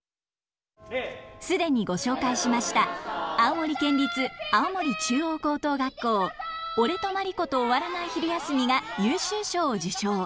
既にご紹介しました青森県立青森中央高等学校「俺とマリコと終わらない昼休み」が優秀賞を受賞。